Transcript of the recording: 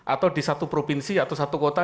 atau di satu provinsi atau satu kota